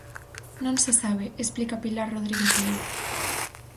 Non se sabe, explica Pilar Rodríguez Ledo.